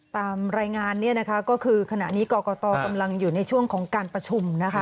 ตามรายงานเนี่ยนะคะก็คือขณะนี้กรกตกำลังอยู่ในช่วงของการประชุมนะคะ